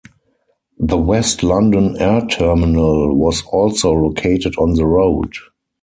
The West London Air Terminal was also located on the road.